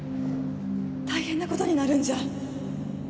大変なことになるんじゃ